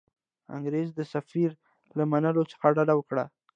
انګرېز د سفیر له منلو څخه ډډه وکړي.